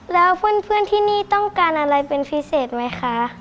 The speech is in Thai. แล้วเพื่อนที่นี่ต้องการอะไรเป็นพิเศษไหมคะ